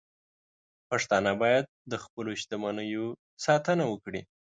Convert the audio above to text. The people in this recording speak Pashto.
پښتانه باید د خپلو شتمنیو ساتنه وکړي.